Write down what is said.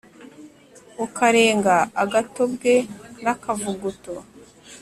ukarenga agatobwe n’akavuguto